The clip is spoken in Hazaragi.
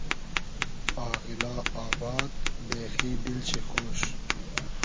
آغیلا آباد , بېخی دیل شی خۉش